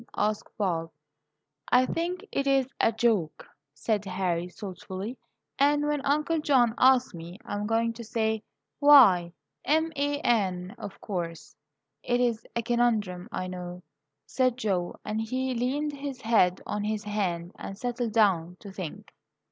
asked Bob. "I think it is a joke," said Harry, thoughtfully; "and when Uncle John asks me, I am going to say, 'Why, m a n, of course.'" "It is a conundrum, I know," said Joe; and he leaned his head on his hand and settled down to think.